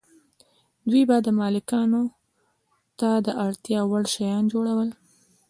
دوی به مالکانو ته د اړتیا وړ شیان جوړول.